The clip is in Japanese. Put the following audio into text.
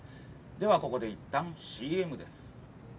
ではここでいったんＣＭです。